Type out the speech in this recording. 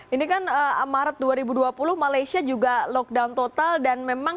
ini kan maret dua ribu dua puluh malaysia juga lockdown total dan memang